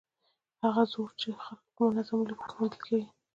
هغه زور چې د خلکو په منظمو لیکو کې موندل کېږي.